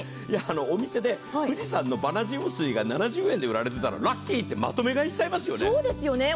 お店で富士山のバナジウム水が７０円で売られてたらラッキーってまとめ買いしちゃいますよね。